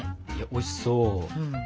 おいしそう。